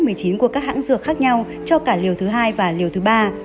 các hãng dược khác nhau cho cả liều thứ hai và liều thứ ba